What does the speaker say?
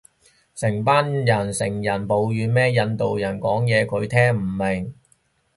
成班人成人抱怨咩印度人講嘢佢聽唔明